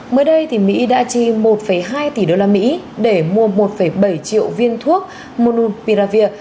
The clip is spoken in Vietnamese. mới đây mỹ đã chi một hai tỷ đô la mỹ để mua một bảy triệu viên thuốc monopiravir